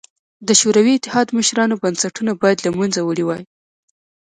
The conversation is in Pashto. د شوروي اتحاد مشرانو بنسټونه باید له منځه وړي وای